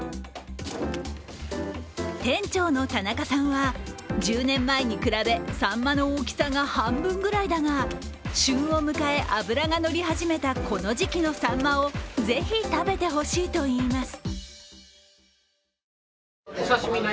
店長の田中さんは、１０年前に比べさんまの大きさが半分ぐらいだが、旬を迎え、脂が乗り始めたこの時期のさんまをぜひ食べてほしいといいます。